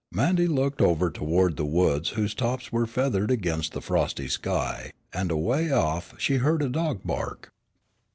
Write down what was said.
Mandy looked over toward the woods whose tops were feathered against the frosty sky, and away off, she heard a dog bark.